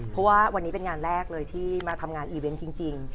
เพราะว่าวันนี้เป็นงานแรกเลยที่มาทำงานอีเวนต์จริง